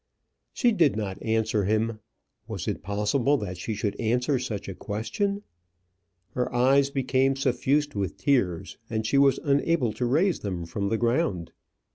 She did not answer him. Was it possible that she should answer such a question? Her eyes became suffused with tears, and she was unable to raise them from the ground.